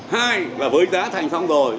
hai là với giá thành xong rồi